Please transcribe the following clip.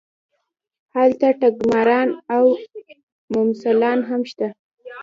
هلته ټګماران او ممثلان هم شته.